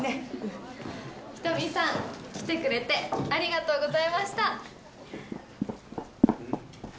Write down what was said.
人見さん来てくれてありがとうございました